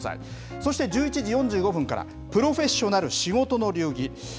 そして１１時４５分から、プロフェッショナル仕事の流儀。